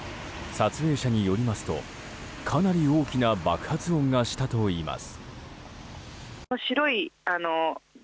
撮影者によりますとかなり大きな爆発音がしたといいます。